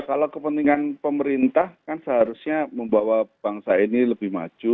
kalau kepentingan pemerintah kan seharusnya membawa bangsa ini lebih maju